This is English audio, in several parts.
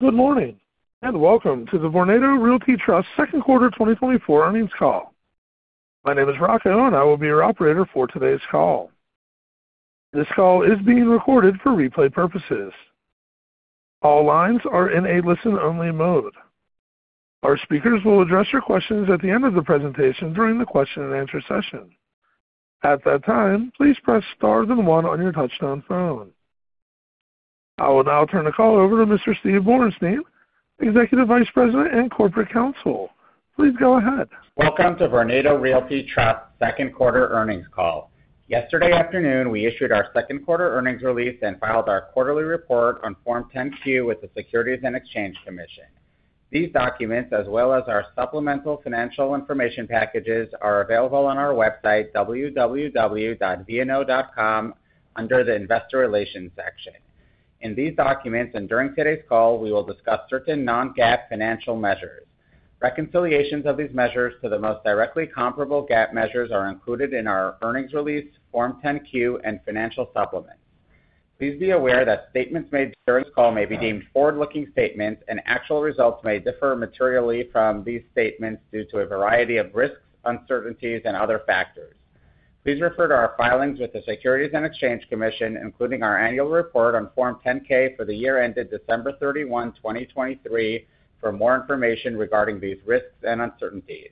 Good morning, and welcome to the Vornado Realty Trust second quarter 2024 earnings call. My name is Rocco, and I will be your operator for today's call. This call is being recorded for replay purposes. All lines are in a listen-only mode. Our speakers will address your questions at the end of the presentation during the question and answer session. At that time, please press star then one on your touchtone phone. I will now turn the call over to Mr. Steven Borenstein, Executive Vice President and Corporate Counsel. Please go ahead. Welcome to Vornado Realty Trust second quarter earnings call. Yesterday afternoon, we issued our second quarter earnings release and filed our quarterly report on Form 10-Q with the Securities and Exchange Commission. These documents, as well as our supplemental financial information packages, are available on our website, www.vno.com, under the Investor Relations section. In these documents, and during today's call, we will discuss certain non-GAAP financial measures. Reconciliations of these measures to the most directly comparable GAAP measures are included in our earnings release, Form 10-Q, and financial supplements. Please be aware that statements made during this call may be deemed forward-looking statements, and actual results may differ materially from these statements due to a variety of risks, uncertainties, and other factors. Please refer to our filings with the Securities and Exchange Commission, including our annual report on Form 10-K for the year ended December 31, 2023 for more information regarding these risks and uncertainties.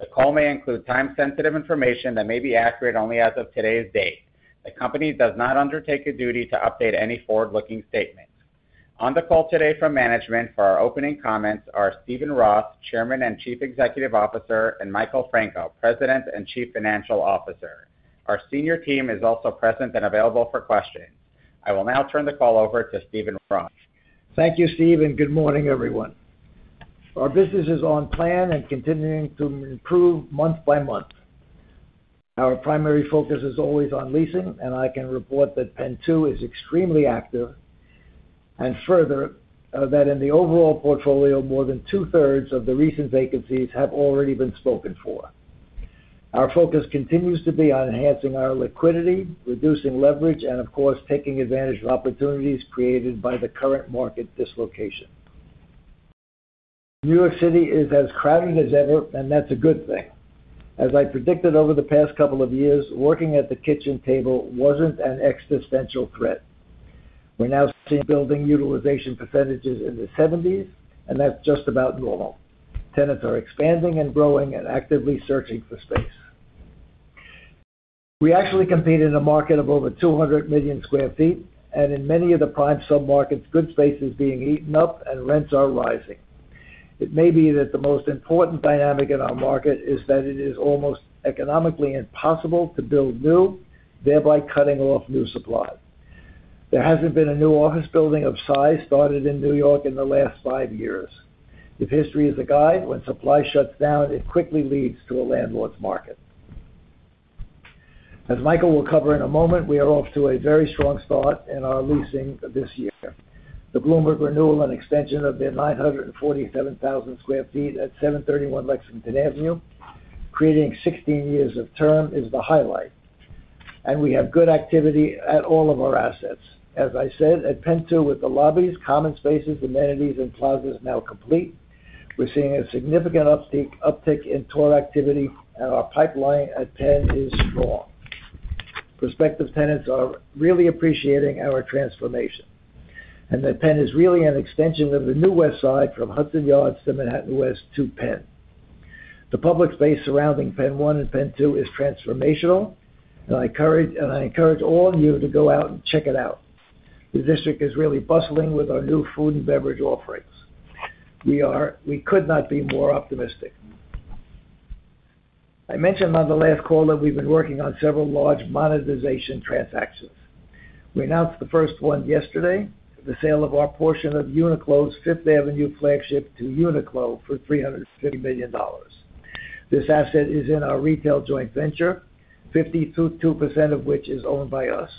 The call may include time-sensitive information that may be accurate only as of today's date. The company does not undertake a duty to update any forward-looking statements. On the call today from management for our opening comments are Steven Roth, Chairman and Chief Executive Officer, and Michael Franco, President and Chief Financial Officer. Our senior team is also present and available for questions. I will now turn the call over to Steven Roth. Thank you, Steve, and good morning, everyone. Our business is on plan and continuing to improve month by month. Our primary focus is always on leasing, and I can report that PENN 2 is extremely active, and further, that in the overall portfolio, more than 2/3 of the recent vacancies have already been spoken for. Our focus continues to be on enhancing our liquidity, reducing leverage, and of course, taking advantage of opportunities created by the current market dislocation. New York City is as crowded as ever, and that's a good thing. As I predicted over the past couple of years, working at the kitchen table wasn't an existential threat. We're now seeing building utilization percentages in the 70s, and that's just about normal. Tenants are expanding and growing and actively searching for space. We actually compete in a market of over 200 million sq ft, and in many of the prime submarkets, good space is being eaten up and rents are rising. It may be that the most important dynamic in our market is that it is almost economically impossible to build new, thereby cutting off new supply. There hasn't been a new office building of size started in New York in the last five years. If history is a guide, when supply shuts down, it quickly leads to a landlord's market. As Michael will cover in a moment, we are off to a very strong start in our leasing this year. The Bloomberg renewal and extension of their 947,000 sq ft at 731 Lexington Avenue, creating 16 years of term, is the highlight, and we have good activity at all of our assets. As I said, at PENN 2, with the lobbies, common spaces, amenities, and plazas now complete, we're seeing a significant uptick in tour activity, and our pipeline at Penn is strong. Prospective tenants are really appreciating our transformation, and that Penn is really an extension of the New West Side from Hudson Yards to Manhattan West to Penn. The public space surrounding PENN 1 and PENN 2 is transformational, and I encourage, and I encourage all of you to go out and check it out. The district is really bustling with our new food and beverage offerings. We could not be more optimistic. I mentioned on the last call that we've been working on several large monetization transactions. We announced the first one yesterday, the sale of our portion of UNIQLO's Fifth Avenue flagship to UNIQLO for $350 million. This asset is in our retail joint venture, 52% of which is owned by us.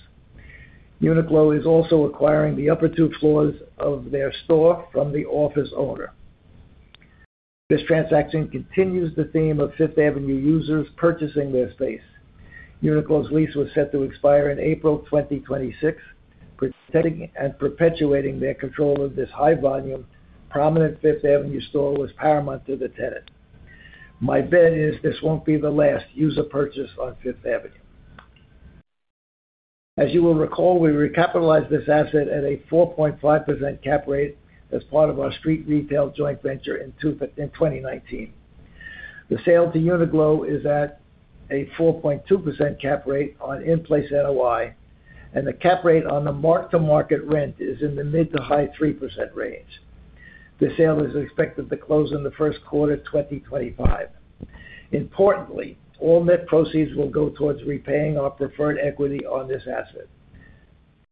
Uniqlo is also acquiring the upper two floors of their store from the office owner. This transaction continues the theme of Fifth Avenue users purchasing their space. Uniqlo's lease was set to expire in April 2026. Protecting and perpetuating their control of this high-volume, prominent Fifth Avenue store was paramount to the tenant. My bet is this won't be the last user purchase on Fifth Avenue. As you will recall, we recapitalized this asset at a 4.5% cap rate as part of our street retail joint venture in 2019. The sale to Uniqlo is at a 4.2% cap rate on in-place NOI, and the cap rate on the mark-to-market rent is in the mid- to high-3% range. The sale is expected to close in the first quarter 2025. Importantly, all net proceeds will go towards repaying our preferred equity on this asset.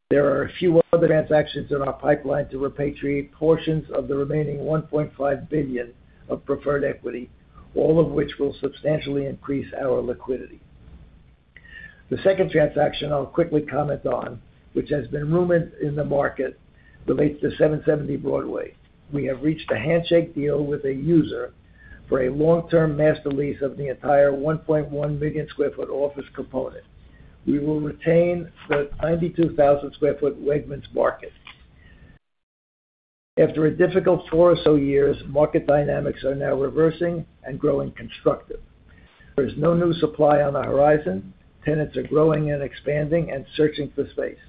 There are a few other transactions in our pipeline to repatriate portions of the remaining $1.5 billion of preferred equity, all of which will substantially increase our liquidity. The second transaction I'll quickly comment on, which has been rumored in the market, relates to 770 Broadway. We have reached a handshake deal with a for a long-term master lease of the entire 1.1 million sq ft office component. We will retain the 92,000 sq ft Wegmans market. After a difficult four or so years, market dynamics are now reversing and growing constructive. There's no new supply on the horizon, tenants are growing and expanding and searching for space,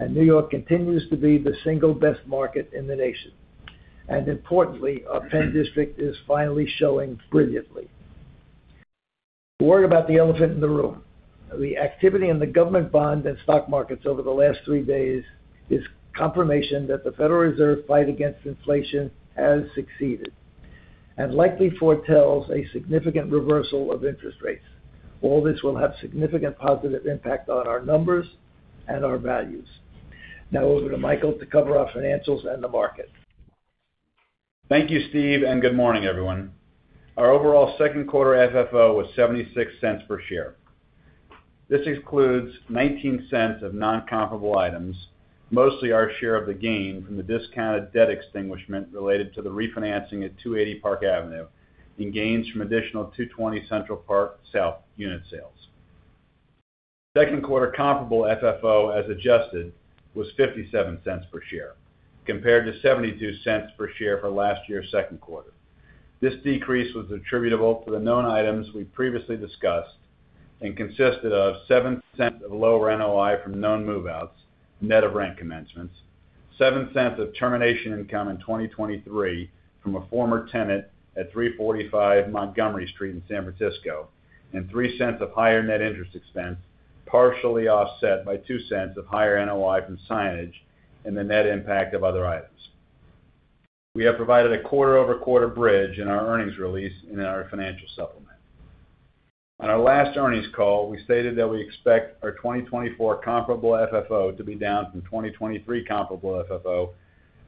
and New York continues to be the single best market in the nation. Importantly, our Penn District is finally showing brilliantly. Worry about the elephant in the room. The activity in the government bond and stock markets over the last three days is confirmation that the Federal Reserve fight against inflation has succeeded, and likely foretells a significant reversal of interest rates. All this will have significant positive impact on our numbers and our values. Now over to Michael to cover our financials and the market. Thank you, Steve, and good morning, everyone. Our overall second quarter FFO was $0.76 per share. This includes $0.19 of non-comparable items, mostly our share of the gain from the discounted debt extinguishment related to the refinancing at 280 Park Avenue, and gains from additional 220 Central Park South unit sales. Second quarter comparable FFO, as adjusted, was $0.57 per share, compared to $0.72 per share for last year's second quarter. This decrease was attributable to the known items we previously discussed and consisted of $0.07 of lower NOI from known move-outs, net of rent commencements, $0.07 of termination income in 2023 from a former tenant at 345 Montgomery Street in San Francisco, and $0.03 of higher net interest expense, partially offset by $0.02 of higher NOI from signage and the net impact of other items. We have provided a quarter-over-quarter bridge in our earnings release in our financial supplement. On our last earnings call, we stated that we expect our 2024 comparable FFO to be down from 2023 comparable FFO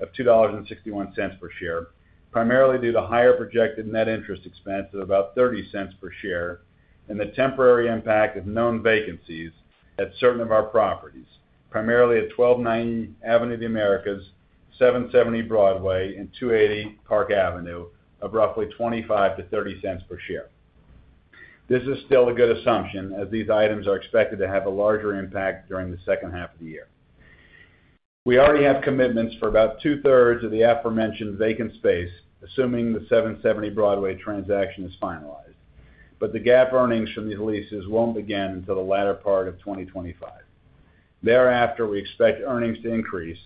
of $2.61 per share, primarily due to higher projected net interest expense of about $0.30 per share, and the temporary impact of known vacancies at certain of our properties, primarily at 1290 Avenue of the Americas, 770 Broadway, and 280 Park Avenue, of roughly $0.25-$0.30 per share. This is still a good assumption, as these items are expected to have a larger impact during the second half of the year. We already have commitments for about 2/3 of the aforementioned vacant space, assuming the 770 Broadway transaction is finalized, but the GAAP earnings from these leases won't begin until the latter part of 2025. Thereafter, we expect earnings to increase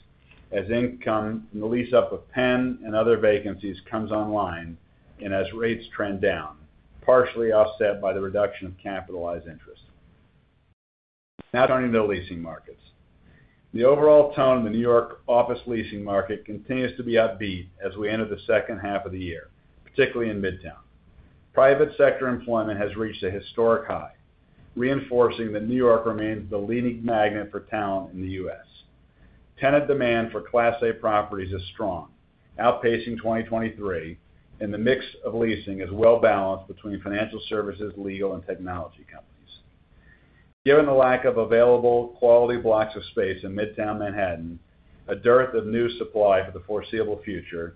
as income from the lease up of Penn and other vacancies comes online and as rates trend down, partially offset by the reduction of capitalized interest. Now turning to the leasing markets. The overall tone of the New York office leasing market continues to be upbeat as we enter the second half of the year, particularly in Midtown. Private sector employment has reached a historic high, reinforcing that New York remains the leading magnet for talent in the U.S. Tenant demand for Class A properties is strong, outpacing 2023, and the mix of leasing is well balanced between financial services, legal, and technology companies. Given the lack of available quality blocks of space in Midtown Manhattan, a dearth of new supply for the foreseeable future,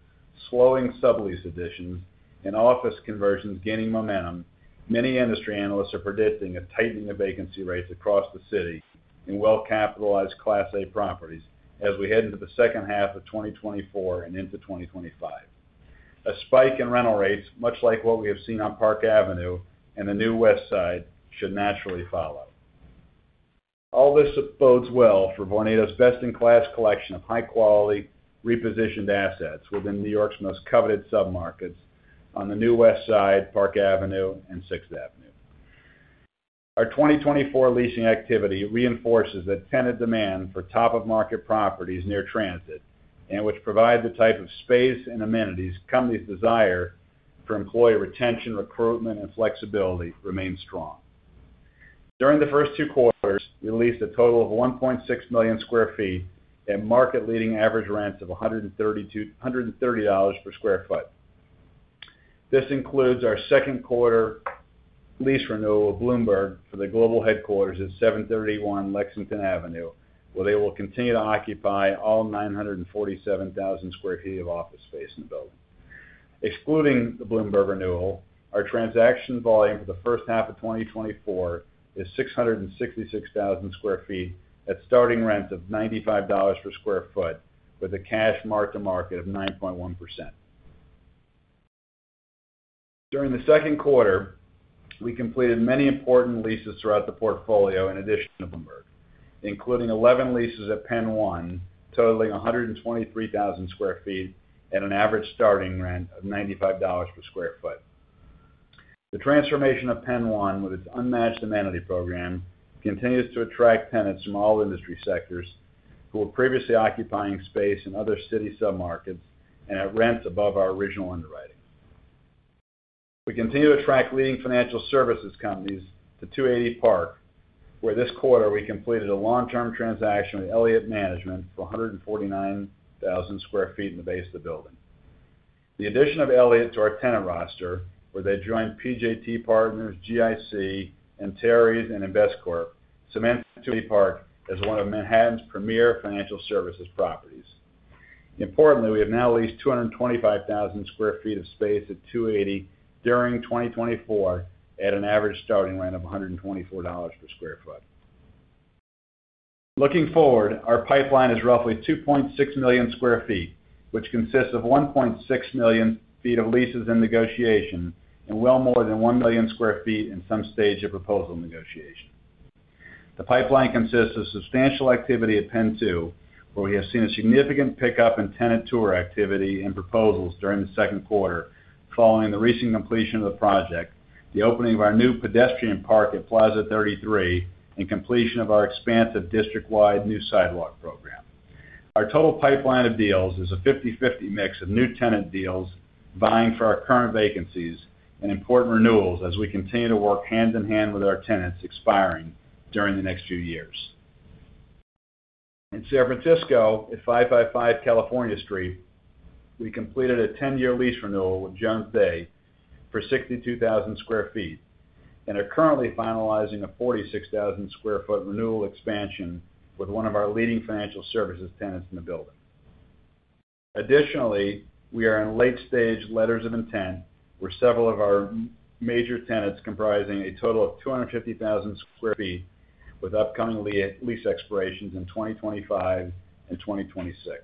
slowing sublease additions, and office conversions gaining momentum, many industry analysts are predicting a tightening of vacancy rates across the city in well-capitalized Class A properties as we head into the second half of 2024 and into 2025. A spike in rental rates, much like what we have seen on Park Avenue and the New West Side, should naturally follow. All this bodes well for Vornado's best-in-class collection of high-quality, repositioned assets within New York's most coveted submarkets on the New West Side, Park Avenue, and Sixth Avenue. Our 2024 leasing activity reinforces that tenant demand for top-of-market properties near transit, and which provide the type of space and amenities companies desire for employee retention, recruitment, and flexibility remain strong. During the first two quarters, we leased a total of 1.6 million sq ft at market leading average rents of $132-$130 per sq ft. This includes our second quarter lease renewal of Bloomberg for the global headquarters at 731 Lexington Avenue, where they will continue to occupy all 947,000 sq ft of office space in the building. Excluding the Bloomberg renewal, our transaction volume for the first half of 2024 is 666,000 sq ft at starting rent of $95 per sq ft, with a cash mark-to-market of 9.1%. During the second quarter, we completed many important leases throughout the portfolio in addition to Bloomberg, including 11 leases at PENN 1, totaling 123,000 sq ft at an average starting rent of $95 per sq ft. The transformation of PENN 1, with its unmatched amenity program, continues to attract tenants from all industry sectors who were previously occupying space in other city submarkets and at rents above our original underwriting. We continue to attract leading financial services companies to 280 Park Avenue, where this quarter we completed a long-term transaction with Elliott Management for 149,000 sq ft in the base of the building. The addition of Elliott to our tenant roster, where they joined PJT Partners, GIC, Antares, and Investcorp, cements 280 Park Avenue as one of Manhattan's premier financial services properties. Importantly, we have now leased 225,000 sq ft of space at 280 during 2024, at an average starting rent of $124 per sq ft. Looking forward, our pipeline is roughly 2.6 million sq ft, which consists of 1.6 million sq ft of leases in negotiation and well more than 1 million sq ft in some stage of proposal negotiation. The pipeline consists of substantial activity at PENN 2, where we have seen a significant pickup in tenant tour activity and proposals during the second quarter, following the recent completion of the project, the opening of our new pedestrian park at Plaza 33, and completion of our expansive district-wide new sidewalk program. Our total pipeline of deals is a 50/50 mix of new tenant deals, vying for our current vacancies and important renewals as we continue to work hand-in-hand with our tenants expiring during the next few years. In San Francisco, at 555 California Street, we completed a ten-year lease renewal with Jones Day for 62,000 sq ft, and are currently finalizing a 46,000 sq ft renewal expansion with one of our leading financial services tenants in the building. Additionally, we are in late stage letters of intent, where several of our major tenants comprising a total of 250,000 sq ft, with upcoming lease expirations in 2025 and 2026.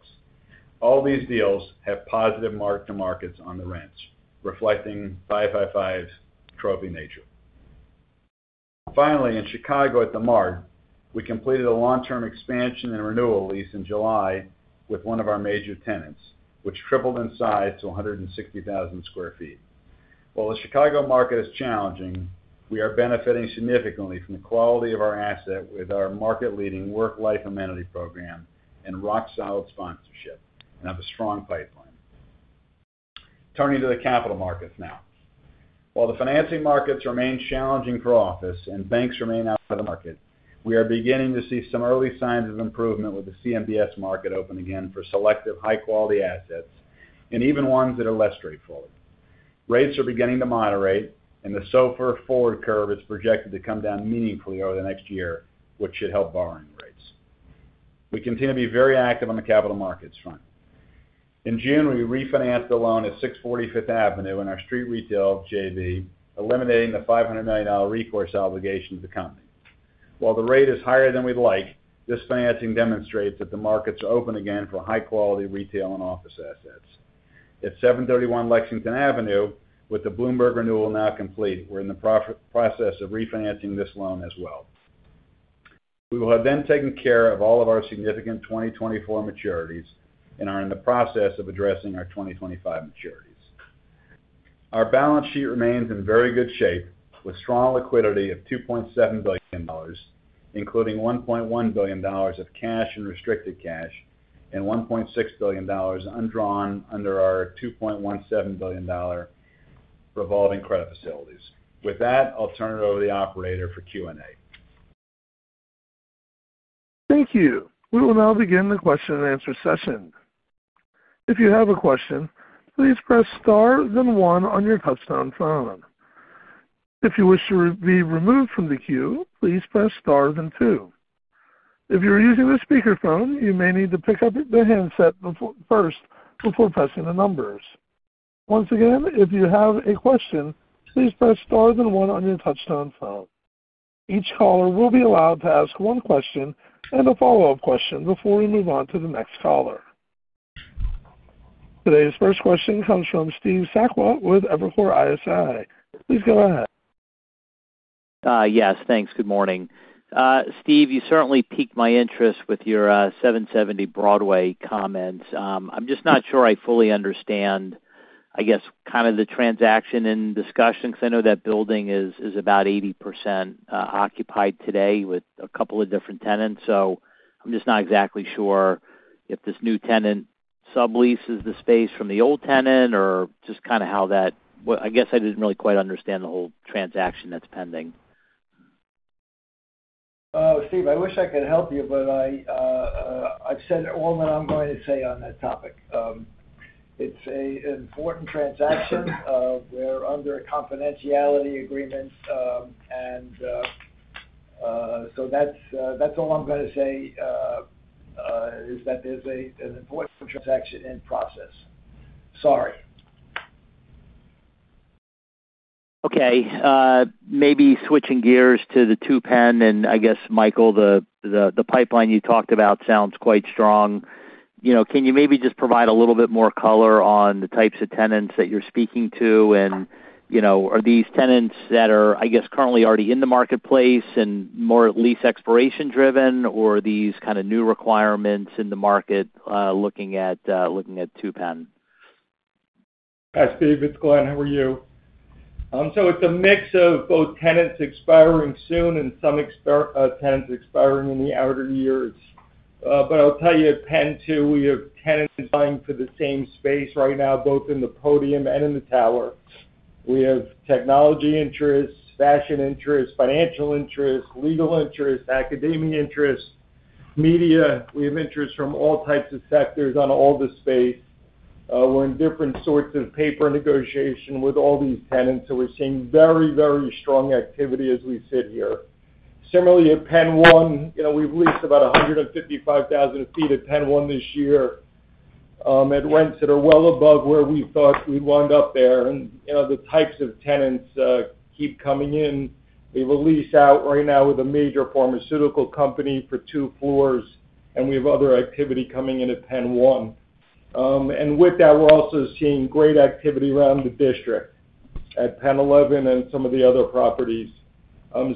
All these deals have positive mark to markets on the rents, reflecting 555's trophy nature. Finally, in Chicago, at THE MART, we completed a long-term expansion and renewal lease in July with one of our major tenants, which tripled in size to 160,000 sq ft. While the Chicago market is challenging, we are benefiting significantly from the quality of our asset with our market-leading work-life amenity program and rock-solid sponsorship, and have a strong pipeline. Turning to the capital markets now. While the financing markets remain challenging for office and banks remain out of the market, we are beginning to see some early signs of improvement with the CMBS market open again for selective high-quality assets and even ones that are less straightforward. Rates are beginning to moderate, and the SOFR forward curve is projected to come down meaningfully over the next year, which should help borrowing rates. We continue to be very active on the capital markets front. In June, we refinanced the loan at 640 Fifth Avenue in our street retail JV, eliminating the $500 million recourse obligation to the company. While the rate is higher than we'd like, this financing demonstrates that the market's open again for high-quality retail and office assets. At 731 Lexington Avenue, with the Bloomberg renewal now complete, we're in the process of refinancing this loan as well. We will have then taken care of all of our significant 2024 maturities and are in the process of addressing our 2025 maturities. Our balance sheet remains in very good shape, with strong liquidity of $2.7 billion, including $1.1 billion of cash and restricted cash, and $1.6 billion undrawn under our $2.17 billion revolving credit facilities. With that, I'll turn it over to the operator for Q&A. Thank you. We will now begin the question-and-answer session. If you have a question, please press star, then one on your touchtone phone. If you wish to be removed from the queue, please press star, then two. If you are using a speakerphone, you may need to pick up the handset first before pressing the numbers. Once again, if you have a question, please press star then one on your touchtone phone. Each caller will be allowed to ask one question and a follow-up question before we move on to the next caller. Today's first question comes from Steve Sakwa with Evercore ISI. Please go ahead. Yes, thanks. Good morning. Steve, you certainly piqued my interest with your 770 Broadway comments. I'm just not sure I fully understand, I guess, kind of the transaction and discussion, because I know that building is about 80% occupied today with a couple of different tenants. So I'm just not exactly sure if this new tenant subleases the space from the old tenant or just kind of how that. Well, I guess I didn't really quite understand the whole transaction that's pending. Steve, I wish I could help you, but I've said all that I'm going to say on that topic. It's an important transaction. We're under a confidentiality agreement, and so that's all I'm gonna say, is that there's an important transaction in process. Sorry. Okay, maybe switching gears to the PENN 2, and I guess, Michael, the pipeline you talked about sounds quite strong. You know, can you maybe just provide a little bit more color on the types of tenants that you're speaking to? And, you know, are these tenants that are, I guess, currently already in the marketplace and more lease expiration driven, or are these kind of new requirements in the market, looking at PENN 2? Hi, Steve, it's Glen. How are you? So it's a mix of both tenants expiring soon and some expiring in the outer years. But I'll tell you, at PENN 2, we have tenants vying for the same space right now, both in the podium and in the tower. We have technology interests, fashion interests, financial interests, legal interests, academia interests, media. We have interests from all types of sectors on all the space. We're in different sorts of paper negotiation with all these tenants, so we're seeing very, very strong activity as we sit here. Similarly, at Penn 1, you know, we've leased about 155,000 sq ft at Penn 1 this year, at rents that are well above where we thought we'd wind up there. You know, the types of tenants keep coming in. We have a lease out right now with a major pharmaceutical company for two floors, and we have other activity coming in at Penn 1. With that, we're also seeing great activity around the district, at PENN 11 and some of the other properties.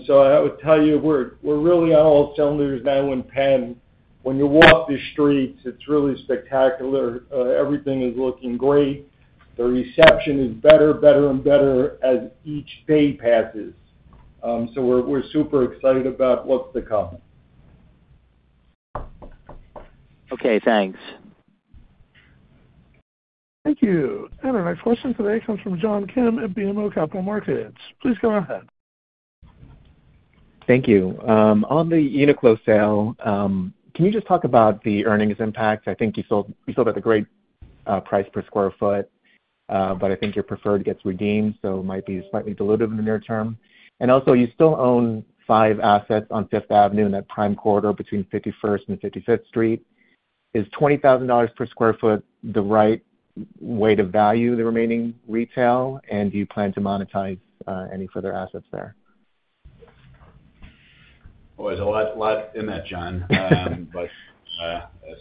So I would tell you, we're, we're really on all cylinders now in Penn. When you walk the streets, it's really spectacular. Everything is looking great. The reception is better, better, and better as each day passes. So we're super excited about what's to come. Okay, thanks. Thank you. Our next question today comes from John Kim at BMO Capital Markets. Please go ahead. Thank you. On the UNIQLO sale, can you just talk about the earnings impact? I think you sold, you sold at a great price per sq ft, but I think your preferred gets redeemed, so it might be slightly dilutive in the near term. And also, you still own five assets on Fifth Avenue in that prime corridor between 51st and 55th Street. Is $20,000 per sq ft the right way to value the remaining retail, and do you plan to monetize any further assets there? Well, there's a lot, lot in that, John. But,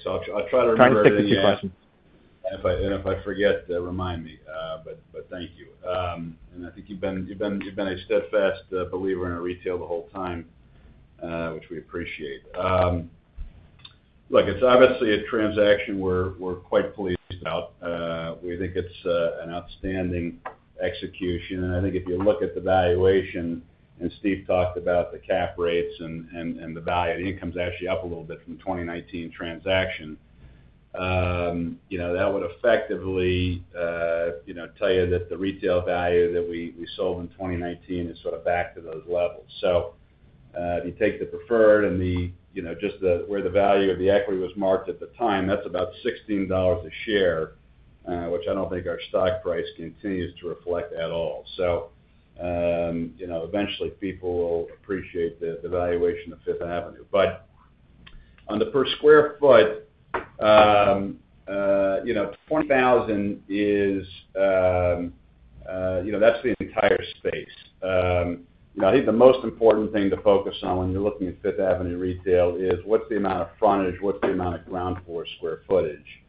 so I'll, I'll try to remember everything. Try to take the questions. If I forget, remind me. But thank you. And I think you've been a steadfast believer in our retail the whole time, which we appreciate. Look, it's obviously a transaction we're quite pleased about. We think it's an outstanding execution. And I think if you look at the valuation, and Steve talked about the cap rates and the value, the income's actually up a little bit from the 2019 transaction. You know, that would effectively tell you that the retail value that we sold in 2019 is sort of back to those levels. So, if you take the preferred and the, you know, just the—where the value of the equity was marked at the time, that's about $16 a share, which I don't think our stock price continues to reflect at all. So, you know, eventually, people will appreciate the valuation of Fifth Avenue. But on the per sq ft, you know, $20,000 is, you know, that's the entire space. You know, I think the most important thing to focus on when you're looking at Fifth Avenue retail is what's the amount of frontage? What's the amount of ground floor square footage?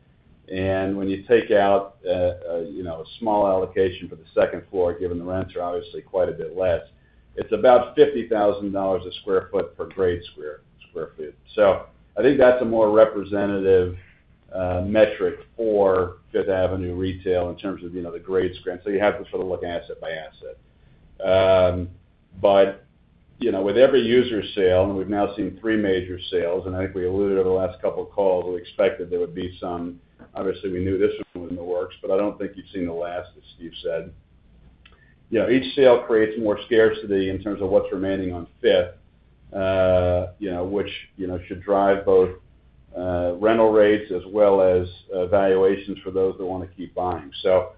And when you take out, you know, a small allocation for the second floor, given the rents are obviously quite a bit less, it's about $50,000 a sq ft per gross square foot. So I think that's a more representative metric for Fifth Avenue retail in terms of, you know, the grade screen. So you have to sort of look asset by asset. But, you know, with every user sale, and we've now seen three major sales, and I think we alluded over the last couple of calls, we expected there would be some. Obviously, we knew this one was in the works, but I don't think you've seen the last, as Steve said. You know, each sale creates more scarcity in terms of what's remaining on Fifth, you know, which, you know, should drive both, rental rates as well as, valuations for those that want to keep buying. So,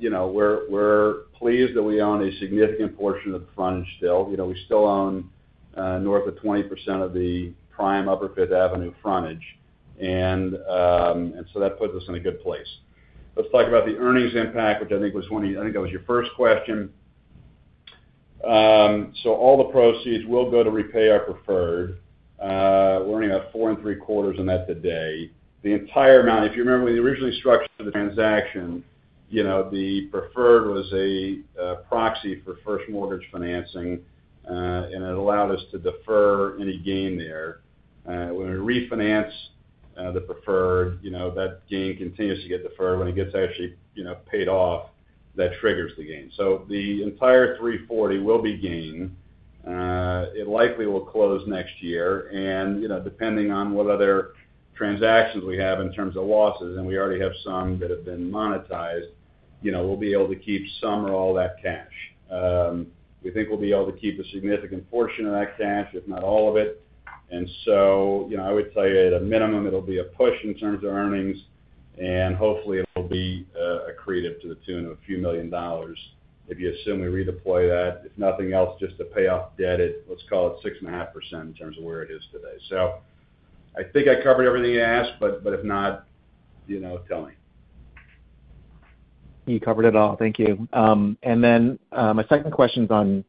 you know, we're pleased that we own a significant portion of the frontage still. You know, we still own north of 20% of the prime Upper Fifth Avenue frontage, and so that puts us in a good place. Let's talk about the earnings impact, which I think was one of I think that was your first question. So all the proceeds will go to repay our preferred, we're only about 4.75% on that today. The entire amount. If you remember, when we originally structured the transaction, you know, the preferred was a proxy for first mortgage financing, and it allowed us to defer any gain there. When we refinance the preferred, you know, that gain continues to get deferred. When it gets actually paid off, that triggers the gain. So the entire $340 million will be gained. It likely will close next year, and, you know, depending on what other transactions we have in terms of losses, and we already have some that have been monetized, you know, we'll be able to keep some or all that cash. We think we'll be able to keep a significant portion of that cash, if not all of it. And so, you know, I would tell you, at a minimum, it'll be a push in terms of earnings, and hopefully, it'll be accretive to the tune of a few million dollars. If you assume we redeploy that, if nothing else, just to pay off debt at, let's call it 6.5% in terms of where it is today. So I think I covered everything you asked, but, but if not, you know, tell me. You covered it all. Thank you. And then, my second question's on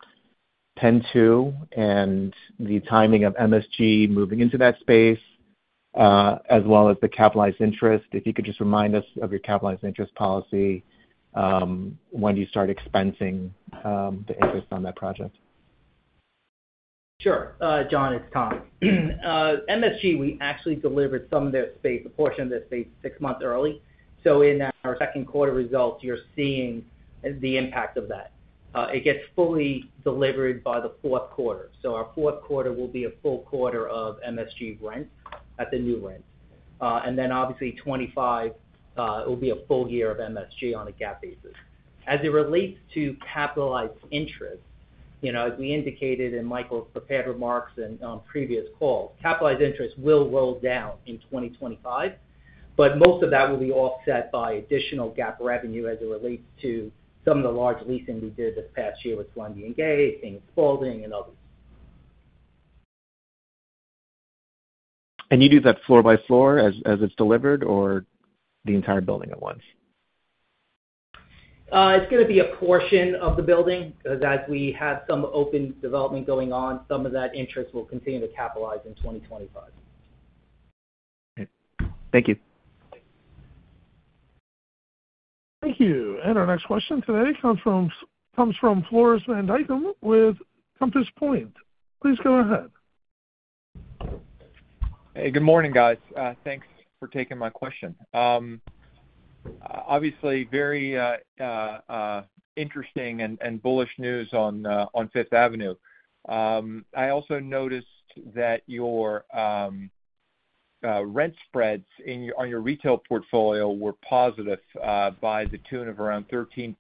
PENN 2 and the timing of MSG moving into that space, as well as the capitalized interest. If you could just remind us of your capitalized interest policy, when do you start expensing the interest on that project? Sure. John, it's Tom. MSG, we actually delivered some of their space, a portion of their space, six months early. So in our second quarter results, you're seeing the impact of that. It gets fully delivered by the fourth quarter. So our fourth quarter will be a full quarter of MSG rent at the new rent. And then, obviously, 2025, it will be a full year of MSG on a GAAP basis. As it relates to capitalized interest. You know, as we indicated in Michael's prepared remarks and on previous calls, capitalized interest will roll down in 2025, but most of that will be offset by additional GAAP revenue as it relates to some of the large leasing we did this past year with Columbia and GA, King & Spalding, and others. You do that floor by floor as it's delivered, or the entire building at once? It's gonna be a portion of the building, because as we have some open development going on, some of that interest will continue to capitalize in 2025. Thank you. Thank you. And our next question today comes from Floris van Dijkum with Compass Point. Please go ahead. Hey, good morning, guys. Thanks for taking my question. Obviously, very interesting and bullish news on Fifth Avenue. I also noticed that your rent spreads on your retail portfolio were positive by the tune of around 13%.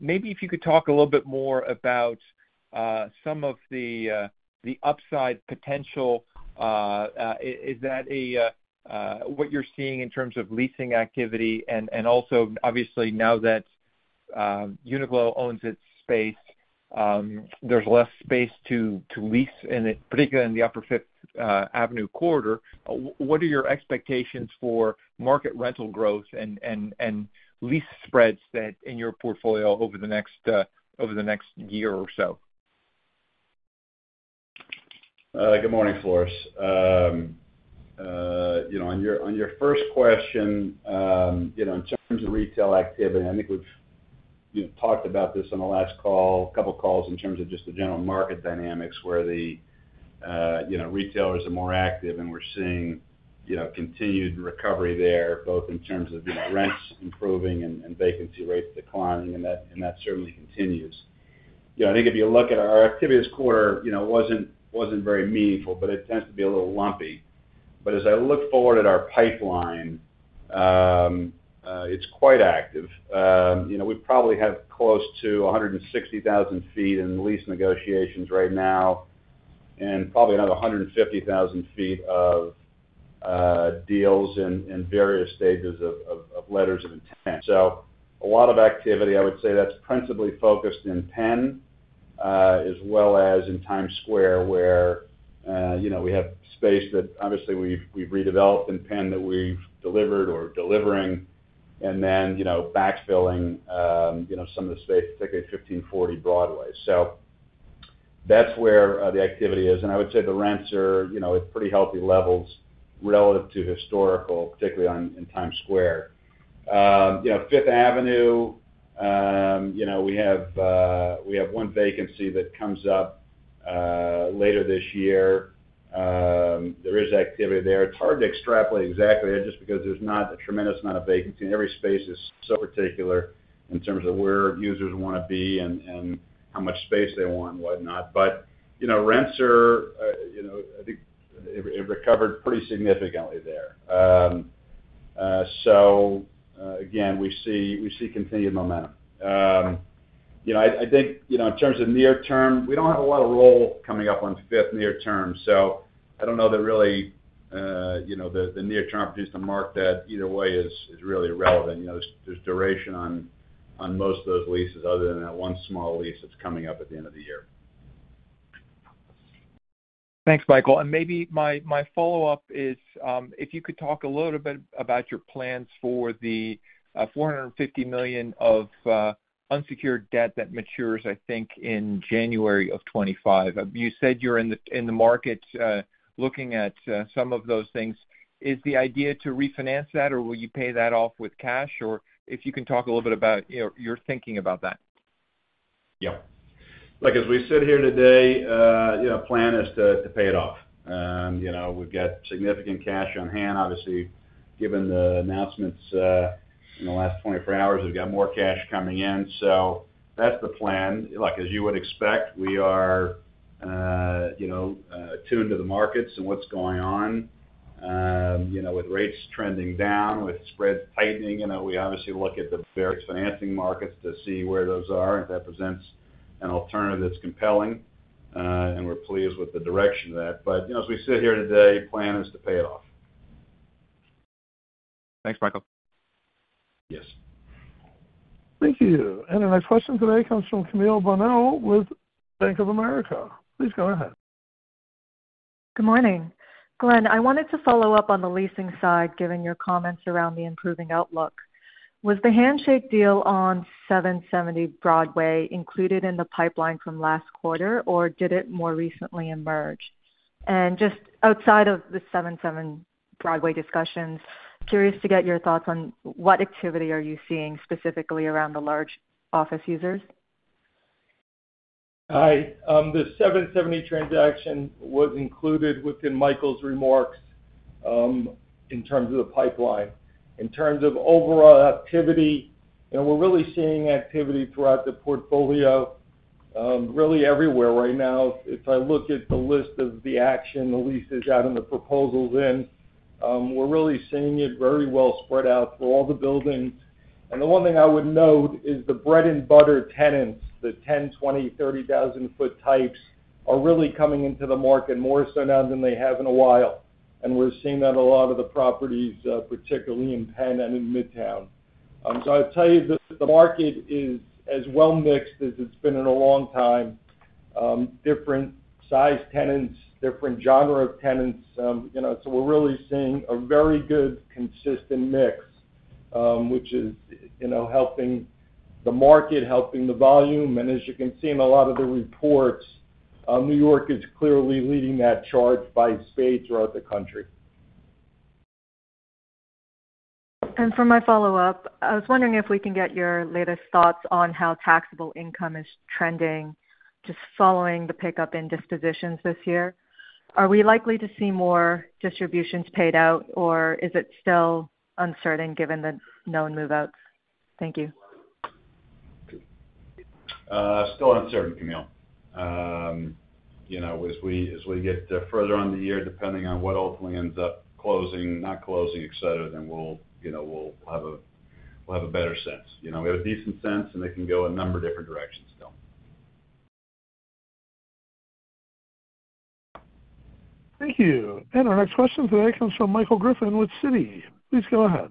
Maybe if you could talk a little bit more about some of the upside potential. Is that what you're seeing in terms of leasing activity? And also, obviously, now that Uniqlo owns its space, there's less space to lease, and particularly in the upper Fifth Avenue corridor. What are your expectations for market rental growth and lease spreads in your portfolio over the next year or so? Good morning, Floris. You know, on your first question, you know, in terms of retail activity, I think we've you know, talked about this on the last call, a couple calls, in terms of just the general market dynamics, where the you know, retailers are more active, and we're seeing you know, continued recovery there, both in terms of you know, rents improving and vacancy rates declining, and that certainly continues. You know, I think if you look at our activity this quarter, you know, wasn't very meaningful, but it tends to be a little lumpy. But as I look forward at our pipeline, it's quite active. You know, we probably have close to 160,000 sq ft in lease negotiations right now, and probably another 150,000 sq ft of deals in various stages of letters of intent. So a lot of activity, I would say, that's principally focused in Penn, as well as in Times Square, where, you know, we have space that obviously we've redeveloped in Penn, that we've delivered or delivering, and then, you know, backfilling, you know, some of the space, particularly 1540 Broadway. So that's where the activity is, and I would say the rents are, you know, at pretty healthy levels relative to historical, particularly on, in Times Square. You know, Fifth Avenue, you know, we have, we have one vacancy that comes up, later this year. There is activity there. It's hard to extrapolate exactly just because there's not a tremendous amount of vacancy, and every space is so particular in terms of where users want to be and, and how much space they want and whatnot. But, you know, rents are, you know, I think it, it recovered pretty significantly there. So, again, we see, we see continued momentum. You know, I, I think, you know, in terms of near-term, we don't have a lot of roll coming up on Fifth near-term, so I don't know that really, you know, the, the near-term pricing to market that either way is, is really irrelevant. You know, there's, there's duration on, on most of those leases other than that one small lease that's coming up at the end of the year. Thanks, Michael. Maybe my follow-up is, if you could talk a little bit about your plans for the $450 million of unsecured debt that matures, I think, in January 2025. You said you're in the market looking at some of those things. Is the idea to refinance that, or will you pay that off with cash? Or if you can talk a little bit about, you know, your thinking about that. Yeah. Look, as we sit here today, you know, plan is to pay it off. You know, we've got significant cash on hand. Obviously, given the announcements in the last 24 hours, we've got more cash coming in, so that's the plan. Look, as you would expect, we are, you know, tuned to the markets and what's going on. You know, with rates trending down, with spreads tightening, you know, we obviously look at the various financing markets to see where those are, and if that presents an alternative that's compelling, and we're pleased with the direction of that. But, you know, as we sit here today, plan is to pay it off. Thanks, Michael. Yes. Thank you. And our next question today comes from Camille Bonnel with Bank of America. Please go ahead. Good morning. Glen, I wanted to follow up on the leasing side, given your comments around the improving outlook. Was the handshake deal on 770 Broadway included in the pipeline from last quarter, or did it more recently emerge? And just outside of the 770 Broadway discussions, curious to get your thoughts on what activity are you seeing specifically around the large office users? Hi. The 770 transaction was included within Michael's remarks in terms of the pipeline. In terms of overall activity, you know, we're really seeing activity throughout the portfolio, really everywhere right now. If I look at the list of the action, the leases out and the proposals in we're really seeing it very well spread out through all the buildings. And the one thing I would note is the bread-and-butter tenants, the 10,000, 20,000, 30,000 sq ft types, are really coming into the market more so now than they have in a while. And we're seeing that a lot of the properties, particularly in Penn and in Midtown. So I'd tell you that the market is as well mixed as it's been in a long time, different size tenants, different genre of tenants. You know, so we're really seeing a very good consistent mix, which is, you know, helping the market, helping the volume. And as you can see in a lot of the reports, New York is clearly leading that charge by state throughout the country. For my follow-up, I was wondering if we can get your latest thoughts on how taxable income is trending, just following the pickup in dispositions this year. Are we likely to see more distributions paid out, or is it still uncertain given the known move-outs? Thank you. Still uncertain, Camille. You know, as we get further on in the year, depending on what ultimately ends up closing, not closing, et cetera, then we'll, you know, have a better sense. You know, we have a decent sense, and it can go a number of different directions still. Thank you. And our next question today comes from Michael Griffin with Citi. Please go ahead.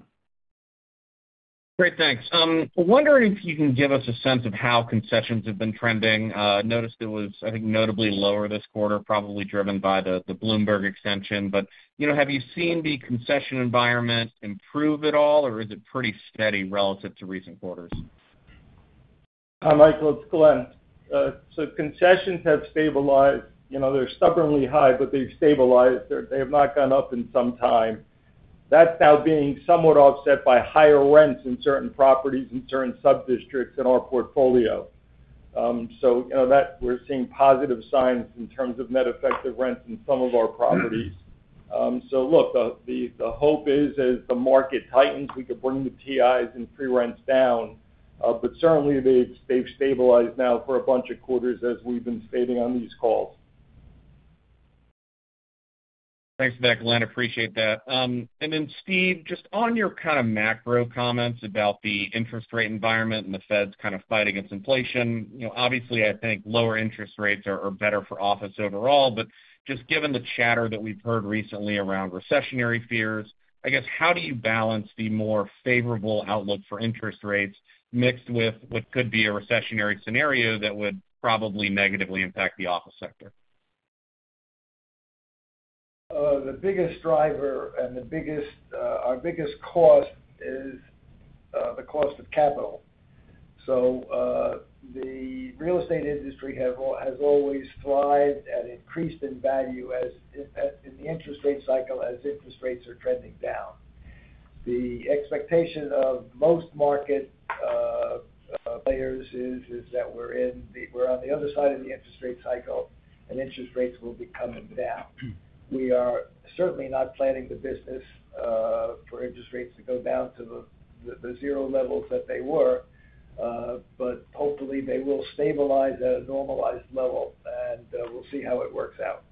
Great, thanks. I'm wondering if you can give us a sense of how concessions have been trending. Noticed it was, I think, notably lower this quarter, probably driven by the, the Bloomberg extension. But, you know, have you seen the concession environment improve at all, or is it pretty steady relative to recent quarters? Hi, Michael, it's Glen. So concessions have stabilized. You know, they're stubbornly high, but they've stabilized. They have not gone up in some time. That's now being somewhat offset by higher rents in certain properties, in certain subdistricts in our portfolio. So, you know, that we're seeing positive signs in terms of net effective rents in some of our properties. So look, the hope is, as the market tightens, we can bring the TIs and pre-rents down. But certainly they've stabilized now for a bunch of quarters, as we've been stating on these calls. Thanks for that, Glen. Appreciate that. And then, Steve, just on your kind of macro comments about the interest rate environment and the Fed's kind of fight against inflation, you know, obviously, I think lower interest rates are better for office overall. But just given the chatter that we've heard recently around recessionary fears, I guess, how do you balance the more favorable outlook for interest rates mixed with what could be a recessionary scenario that would probably negatively impact the office sector? The biggest driver and the biggest, our biggest cost is, the cost of capital. So, the real estate industry has always thrived and increased in value as in the interest rate cycle, as interest rates are trending down. The expectation of most market players is that we're on the other side of the interest rate cycle, and interest rates will be coming down. We are certainly not planning the business for interest rates to go down to the zero levels that they were, but hopefully, they will stabilize at a normalized level, and we'll see how it works out.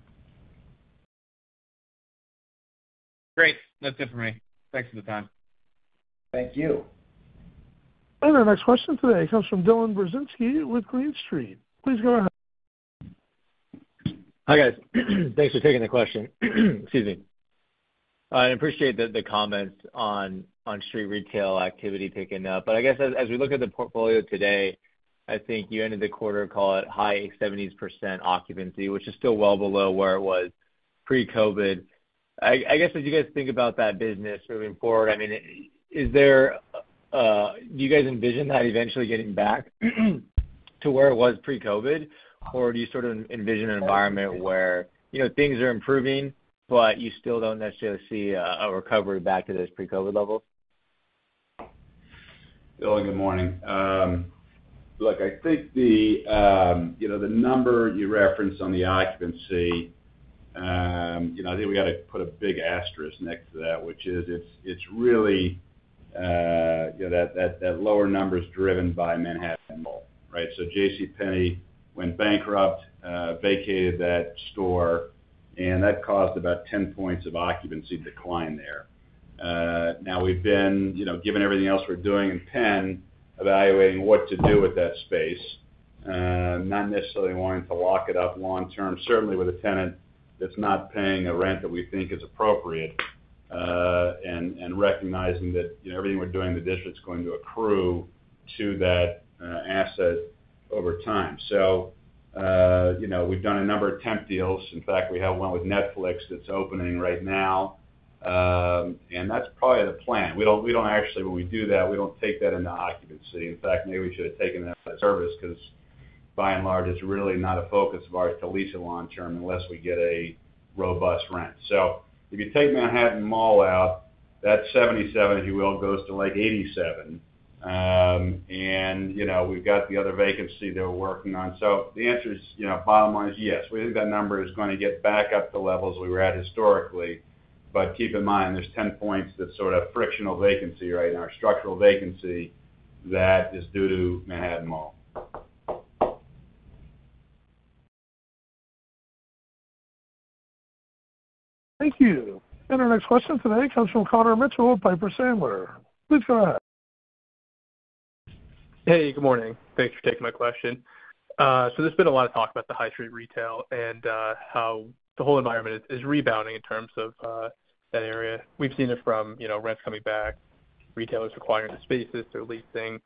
Great. That's it for me. Thanks for the time. Thank you. Our next question today comes from Dylan Burzinski with Green Street. Please go ahead. Hi, guys. Thanks for taking the question. Excuse me. I appreciate the comments on street retail activity picking up. But I guess as we look at the portfolio today, I think you ended the quarter call at high 70% occupancy, which is still well below where it was pre-COVID. I guess, as you guys think about that business moving forward, I mean, is there... Do you guys envision that eventually getting back to where it was pre-COVID? Or do you sort of envision an environment where, you know, things are improving, but you still don't necessarily see a recovery back to those pre-COVID levels? Dylan, good morning. Look, I think the, you know, the number you referenced on the occupancy, you know, I think we got to put a big asterisk next to that, which is, it's really, you know, that lower number is driven by Manhattan Mall, right? So J.C. Penney went bankrupt, vacated that store, and that caused about 10 points of occupancy decline there. Now, we've been, you know, given everything else we're doing in Penn, evaluating what to do with that space, not necessarily wanting to lock it up long term, certainly with a tenant that's not paying a rent that we think is appropriate, and recognizing that, you know, everything we're doing in the district is going to accrue to that asset over time. So, you know, we've done a number of temp deals. In fact, we have one with Netflix that's opening right now. And that's probably the plan. We don't, we don't actually, when we do that, we don't take that into occupancy. In fact, maybe we should have taken that service, 'cause by and large, it's really not a focus of ours to lease it long term unless we get a robust rent. So if you take Manhattan Mall out, that 77, if you will, goes to, like, 87. And, you know, we've got the other vacancy that we're working on. So the answer is, you know, bottom line is, yes, we think that number is going to get back up to levels we were at historically. But keep in mind, there's 10 points, that sort of frictional vacancy, right? In our structural vacancy that is due to Manhattan Mall. Thank you. Our next question today comes from Connor Mitchell of Piper Sandler. Please go ahead. Hey, good morning. Thanks for taking my question. So there's been a lot of talk about the high street retail and how the whole environment is rebounding in terms of that area. We've seen it from, you know, rents coming back, retailers acquiring the spaces they're leasing.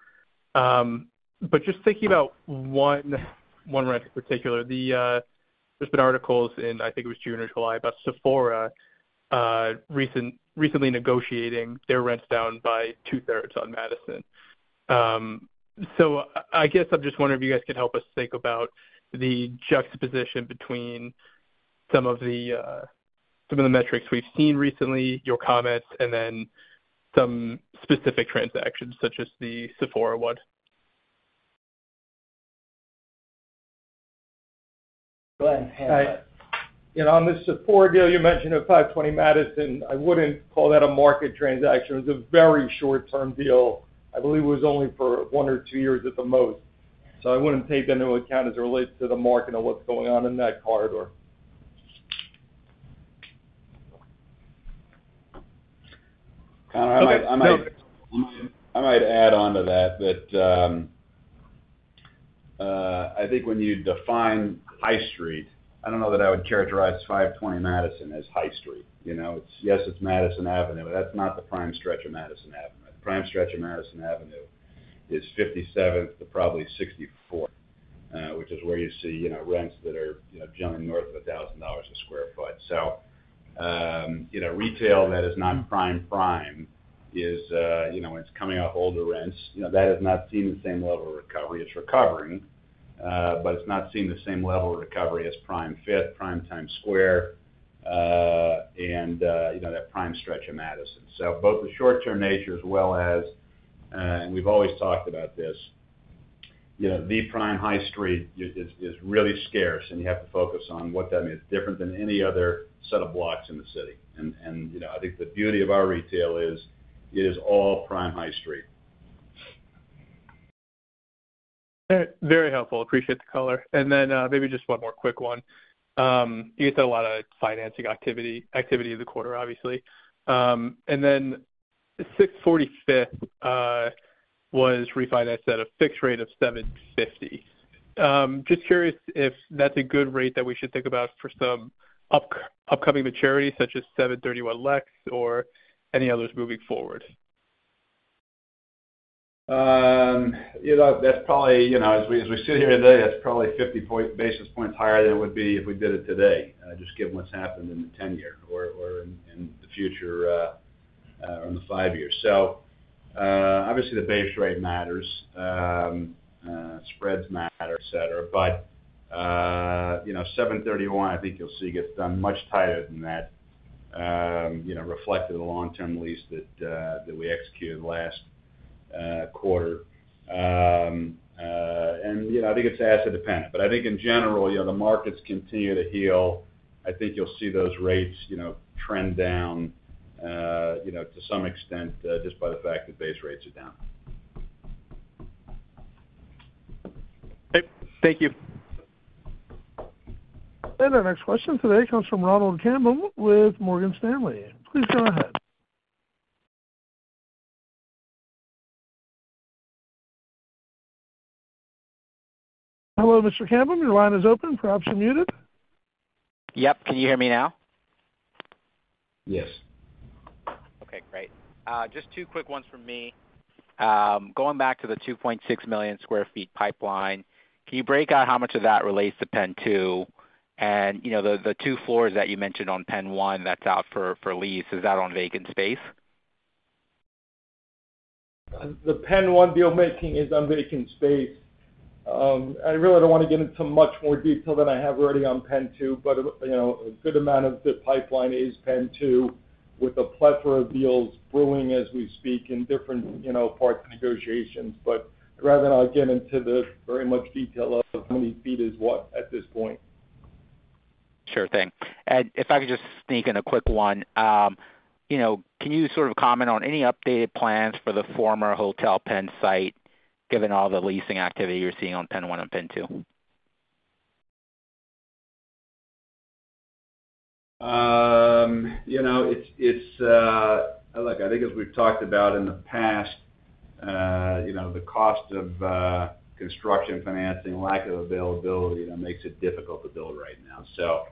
But just thinking about one rent in particular, there's been articles in, I think it was June or July, about Sephora recently negotiating their rents down by 2/3 on Madison. So I guess I'm just wondering if you guys can help us think about the juxtaposition between some of the metrics we've seen recently, your comments, and then some specific transactions, such as the Sephora one. Go ahead, Glen. You know, on the Sephora deal you mentioned at 520 Madison, I wouldn't call that a market transaction. It was a very short-term deal. I believe it was only for one or two years at the most. So I wouldn't take that into account as it relates to the market or what's going on in that corridor. I might add on to that, I think when you define high street, I don't know that I would characterize 520 Madison as high street. You know, it's—yes, it's Madison Avenue, but that's not the prime stretch of Madison Avenue. The prime stretch of Madison Avenue is 57th to probably 64th, which is where you see, you know, rents that are, you know, generally north of $1,000 a sq ft. So, you know, retail that is not prime, prime is, you know, it's coming off older rents, you know, that has not seen the same level of recovery. It's recovering, but it's not seeing the same level of recovery as prime Fifth, prime Times Square, and, you know, that prime stretch of Madison. So both the short-term nature as well as, and we've always talked about this, you know, the prime high street is really scarce, and you have to focus on what that means, different than any other set of blocks in the city. And, you know, I think the beauty of our retail is, it is all prime high street. Very helpful. Appreciate the color. And then, maybe just one more quick one. You get a lot of financing activity, activity in the quarter, obviously. And then 640 Fifth was refinanced at a fixed rate of 7.50%. Just curious if that's a good rate that we should think about for some upcoming maturities, such as 731 Lex, or any others moving forward. You know, that's probably, you know, as we sit here today, that's probably 50 basis points higher than it would be if we did it today, just given what's happened in the 10-year or in the future or in the 5-year. So, obviously, the base rate matters, spreads matter, etc. But, you 9know, 731, I think you'll see get done much tighter than that, you know, reflected in the long-term lease that we executed last quarter. And, you know, I think it's asset dependent, but I think in general, you know, the markets continue to heal. I think you'll see those rates, you know, trend down, you know, to some extent, just by the fact that base rates are down. Okay. Thank you. Our next question today comes from Ronald Kamdem with Morgan Stanley. Please go ahead. Hello, Mr. Kamdem, your line is open. Perhaps you're muted. Yep. Can you hear me now? Yes. Okay, great. Just two quick ones from me. Going back to the 2.6 million sq ft pipeline, can you break out how much of that relates to PENN 2? And, you know, the two floors that you mentioned on PENN 1, that's out for lease, is that on vacant space? The Penn 1 deal making is on vacant space. I really don't want to get into much more detail than I have already on PENN 2, but, you know, a good amount of the pipeline is PENN 2, with a plethora of deals brewing as we speak in different, you know, parts of negotiations. But rather than I get into the very much detail of how many feet is what at this point. Sure thing. And if I could just sneak in a quick one. You know, can you sort of comment on any updated plans for the former Hotel Pennsylvania site, given all the leasing activity you're seeing on PENN 1 and PENN 2? You know, it's. Look, I think as we've talked about in the past, you know, the cost of construction, financing, lack of availability, you know, makes it difficult to build right now. So,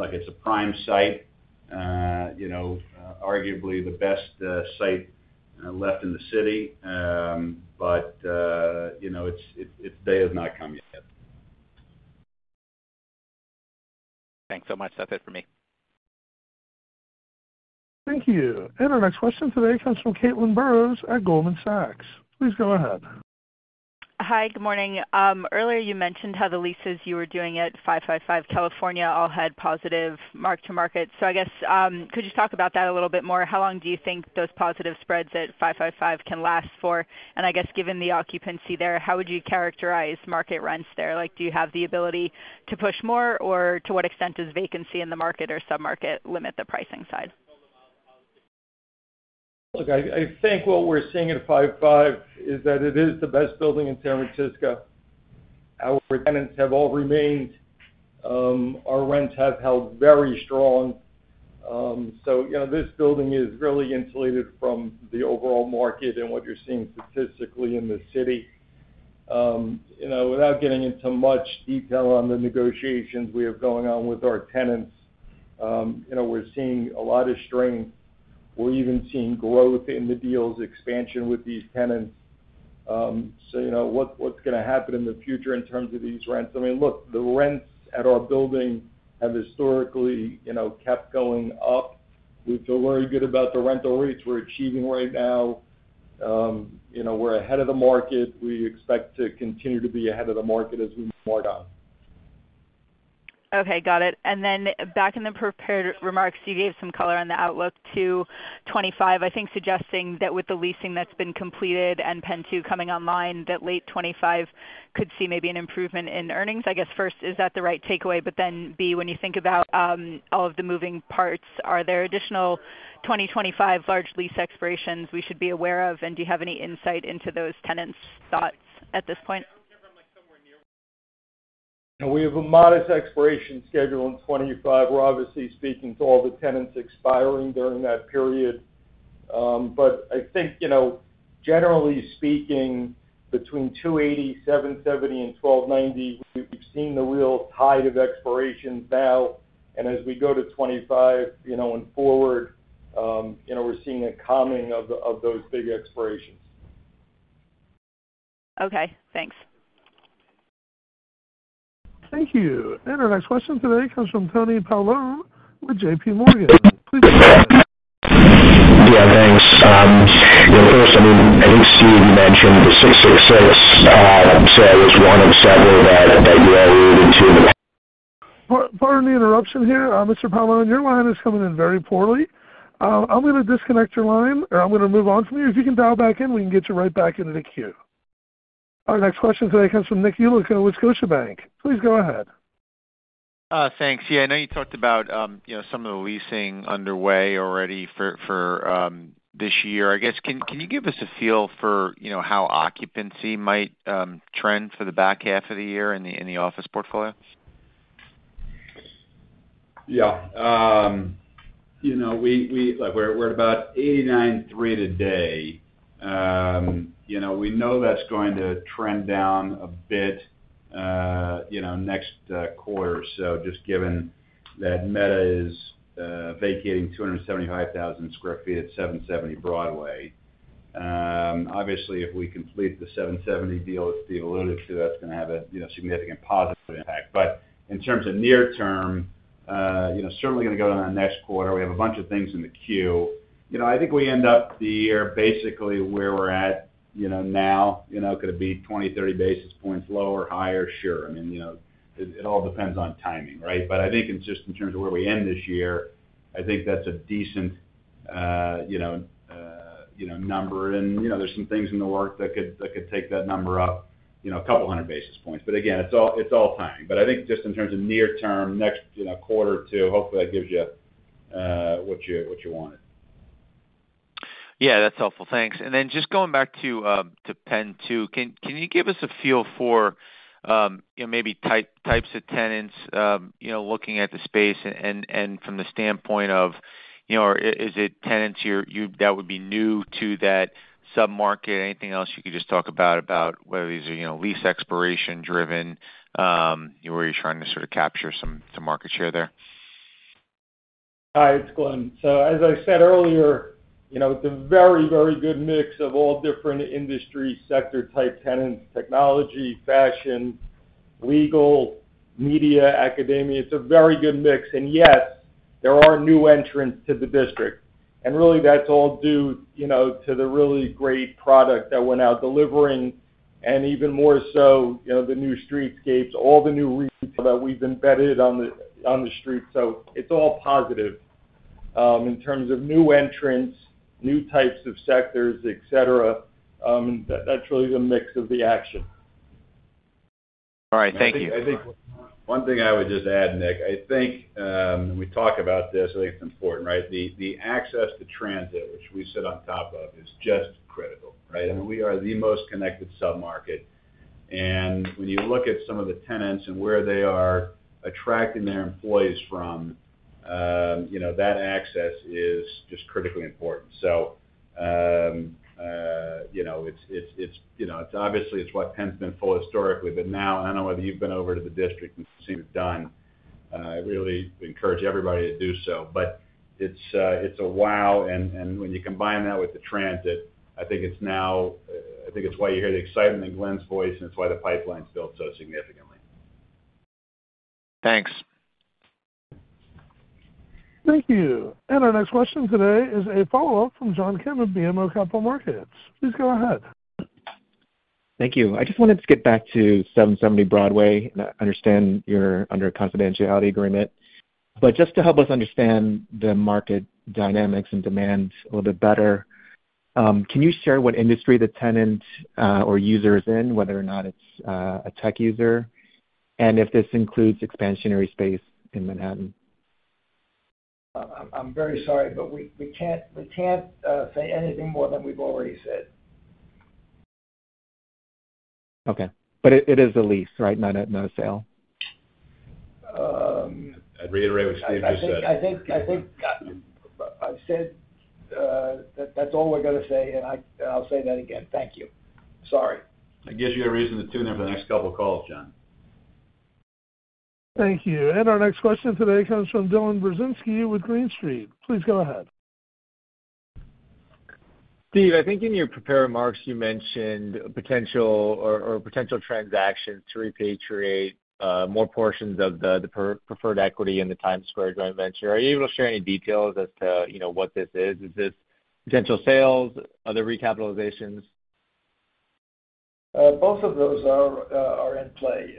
look, it's a prime site, you know, arguably the best site left in the city. But, you know, its day has not come yet. Thanks so much. That's it for me. Thank you. Our next question today comes from Caitlin Burrows at Goldman Sachs. Please go ahead. Hi, good morning. Earlier you mentioned how the leases you were doing at 555 California all had positive mark-to-market. So I guess, could you talk about that a little bit more? How long do you think those positive spreads at 555 can last for? And I guess, given the occupancy there, how would you characterize market rents there? Like, do you have the ability to push more, or to what extent does vacancy in the market or submarket limit the pricing side? Look, I think what we're seeing at 555 is that it is the best building in San Francisco. Our tenants have all remained. Our rents have held very strong. So, you know, this building is really insulated from the overall market and what you're seeing statistically in the city. You know, without getting into much detail on the negotiations we have going on with our tenants, you know, we're seeing a lot of strength. We're even seeing growth in the deals, expansion with these tenants. So, you know, what's gonna happen in the future in terms of these rents? I mean, look, the rents at our building have historically, you know, kept going up. We feel very good about the rental rates we're achieving right now. You know, we're ahead of the market. We expect to continue to be ahead of the market as we move more down. Okay, got it. And then back in the prepared remarks, you gave some color on the outlook to 2025, I think suggesting that with the leasing that's been completed and PENN 2 coming online, that late 2025 could see maybe an improvement in earnings. I guess, first, is that the right takeaway? But then, B, when you think about, all of the moving parts, are there additional 2025 large lease expirations we should be aware of, and do you have any insight into those tenants' thoughts at this point? We have a modest expiration schedule in 2025. We're obviously speaking to all the tenants expiring during that period. But I think, you know, generally speaking, between 280, 770, and 1290, we've seen the real tide of expirations now, and as we go to 2025, you know, and forward, you know, we're seeing a calming of those big expirations. Okay, thanks. Thank you. And our next question today comes from Tony Paolone with J.P. Morgan. Please go ahead. Yeah, thanks. You know, first, I mean, I think, Steve, you mentioned the 666, so it was one of several that, that you are alluding to, but- Pardon the interruption here, Mr. Paolone. Your line is coming in very poorly. I'm gonna disconnect your line, or I'm gonna move on from you. If you can dial back in, we can get you right back into the queue. Our next question today comes from Nick Yulico with Scotiabank. Please go ahead. Thanks. Yeah, I know you talked about, you know, some of the leasing underway already for this year. I guess, can you give us a feel for, you know, how occupancy might trend for the back half of the year in the office portfolio? Yeah. You know, we like, we're at about 89.3 today. You know, we know that's going to trend down a bit, you know, next quarter or so, just given that Meta is vacating 275,000 sq ft at 770 Broadway. Obviously, if we complete the 770 deal as Steve alluded to, that's gonna have a, you know, significant positive impact. But in terms of near term, you know, certainly gonna go to our next quarter. We have a bunch of things in the queue. You know, I think we end up the year basically where we're at, you know, now. You know, could it be 20, 30 basis points lower, higher? Sure. I mean, you know, it, it all depends on timing, right? But I think it's just in terms of where we end this year, I think that's a decent, you know, you know, number. And, you know, there's some things in the works that could take that number up, you know, a couple hundred basis points. But again, it's all timing. But I think just in terms of near term, next, you know, quarter or two, hopefully that gives you what you wanted. Yeah, that's helpful. Thanks. And then just going back to PENN 2, can you give us a feel for, you know, maybe types of tenants, you know, looking at the space and from the standpoint of, you know, or is it tenants you're that would be new to that submarket? Anything else you could just talk about, about whether these are, you know, lease expiration driven, or you're trying to sort of capture some market share there? Hi, it's Glen. So, as I said earlier, you know, it's a very, very good mix of all different industry sector type tenants, technology, fashion, legal, media, academia. It's a very good mix. And yes, there are new entrants to the district, and really that's all due, you know, to the really great product that we're now delivering, and even more so, you know, the new streetscapes, all the new retail that we've embedded on the street. So it's all positive. In terms of new entrants, new types of sectors, et cetera, that's really the mix of the action. All right. Thank you. I think one thing I would just add, Nick, I think when we talk about this, I think it's important, right? The access to transit, which we sit on top of, is just critical, right? I mean, we are the most connected submarket, and when you look at some of the tenants and where they are attracting their employees from, you know, that access is just critically important. So, you know, it's obviously it's what Penn's been full historically, but now, I don't know whether you've been over to the district and seen it done. I really encourage everybody to do so, but it's, it's a wow, and, and when you combine that with the transit, I think it's now, I think it's why you hear the excitement in Glen's voice, and it's why the pipeline's built so significantly. Thanks. Thank you. Our next question today is a follow-up from John Kim of BMO Capital Markets. Please go ahead. Thank you. I just wanted to get back to 770 Broadway. I understand you're under a confidentiality agreement, but just to help us understand the market dynamics and demand a little bit better, can you share what industry the tenant or user is in, whether or not it's a tech user and if this includes expansionary space in Manhattan? I'm very sorry, but we can't say anything more than we've already said. Okay, but it is a lease, right? Not a sale. I'd reiterate what Steve just said. I think I've said that that's all we're gonna say, and I'll say that again. Thank you. Sorry. That gives you a reason to tune in for the next couple of calls, John. Thank you. Our next question today comes from Dylan Brzezinski with Green Street. Please go ahead. Steve, I think in your prepared remarks, you mentioned potential transactions to repatriate more portions of the preferred equity in the Times Square Joint Venture. Are you able to share any details as to, you know, what this is? Is this potential sales, other recapitalizations? Both of those are in play.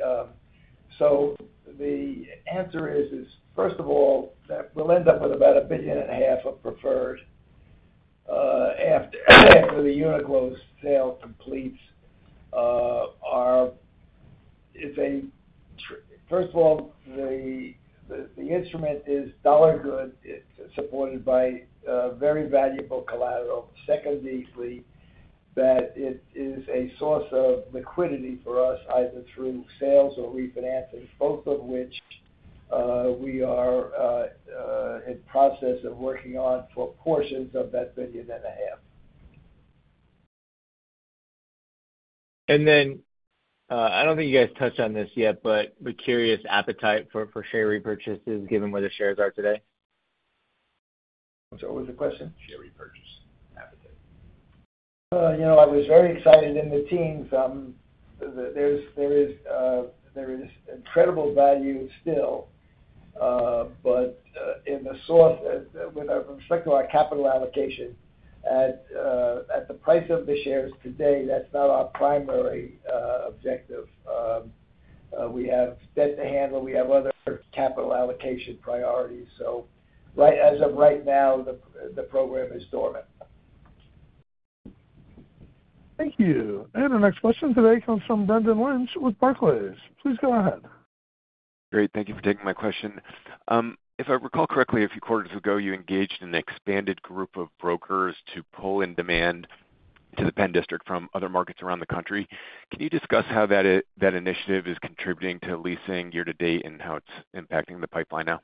So the answer is, first of all, that we'll end up with about $1.5 billion of preferred after the UNIQLO sale completes. First of all, the instrument is dollar good. It's supported by very valuable collateral. Secondly, that it is a source of liquidity for us, either through sales or refinancing, both of which we are in process of working on for portions of that $1.5 billion. And then, I don't think you guys touched on this yet, but we're curious, appetite for share repurchases, given where the shares are today? What was the question? Share repurchase appetite. You know, I was very excited in the teens. There is incredible value still, but in the course with respect to our capital allocation, at the price of the shares today, that's not our primary objective. We have debt to handle. We have other capital allocation priorities. So right as of right now, the program is dormant. Thank you. Our next question today comes from Brendan Lynch with Barclays. Please go ahead. Great, thank you for taking my question. If I recall correctly, a few quarters ago, you engaged an expanded group of brokers to pull in demand to the Penn District from other markets around the country. Can you discuss how that initiative is contributing to leasing year to date and how it's impacting the pipeline now?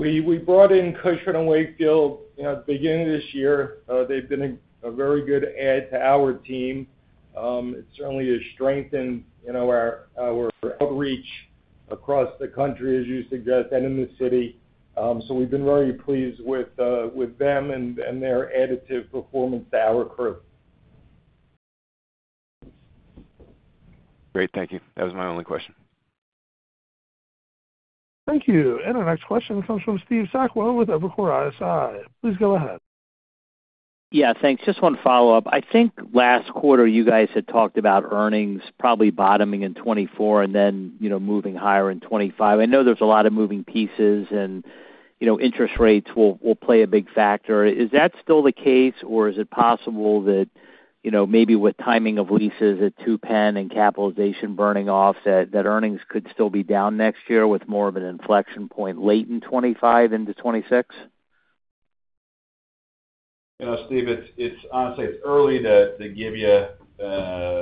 We brought in Cushman & Wakefield, you know, at the beginning of this year. They've been a very good add to our team. It certainly has strengthened, you know, our outreach across the country, as you suggest, and in the city. So we've been very pleased with them and their additive performance to our crew. Great, thank you. That was my only question. Thank you. And our next question comes from Steve Sakwa with Evercore ISI. Please go ahead. Yeah, thanks. Just one follow-up. I think last quarter you guys had talked about earnings probably bottoming in 2024 and then, you know, moving higher in 2025. I know there's a lot of moving pieces and, you know, interest rates will play a big factor. Is that still the case, or is it possible that, you know, maybe with timing of leases at Two Penn and capitalization burning off, that earnings could still be down next year with more of an inflection point late in 2025 into 2026? You know, Steve, it's honestly early to give you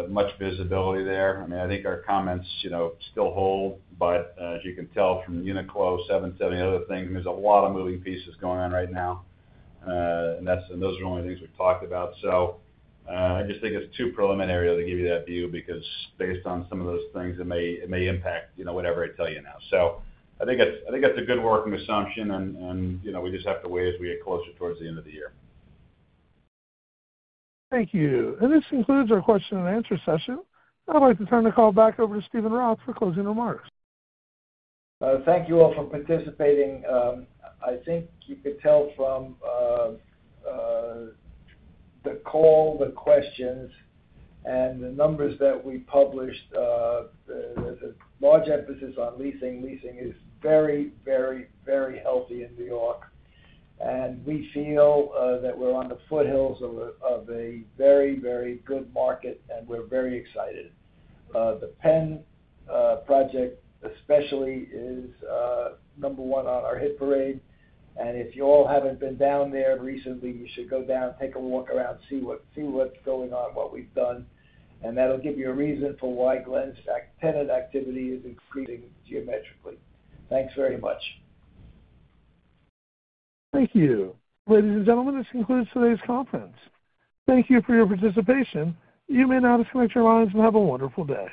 much visibility there. I mean, I think our comments, you know, still hold, but as you can tell from Uniqlo, seven other things, there's a lot of moving pieces going on right now. And that's, those are only things we've talked about. So I just think it's too preliminary to give you that view, because based on some of those things, it may impact, you know, whatever I tell you now. So I think that's a good working assumption, and you know, we just have to wait as we get closer towards the end of the year. Thank you. And this concludes our question and answer session. I'd like to turn the call back over to Steven Roth for closing remarks. Thank you all for participating. I think you could tell from the call, the questions, and the numbers that we published, there's a large emphasis on leasing. Leasing is very, very, very healthy in New York, and we feel that we're on the foothills of a very, very good market, and we're very excited. The Penn project especially is number one on our hit parade, and if you all haven't been down there recently, you should go down, take a walk around, see what's going on, what we've done, and that'll give you a reason for why Glen's tenant activity is increasing geometrically. Thanks very much. Thank you. Ladies and gentlemen, this concludes today's conference. Thank you for your participation. You may now disconnect your lines and have a wonderful day.